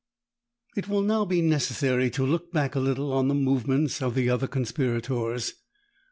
It will now be necessary to look back a little on the movements of the other conspirators.